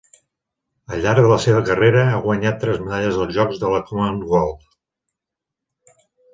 Al llarg de la seva carrera ha guanyat tres medalles als Jocs de la Commonwealth.